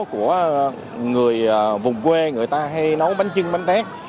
của người vùng quê người ta hay nấu bánh chưng bánh tét